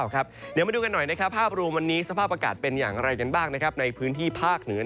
เดี๋ยวมาดูกันหน่อยนะครับภาพรวมวันนี้สภาพอากาศเป็นอย่างไรกันบ้างในพื้นที่ภาคเหนือ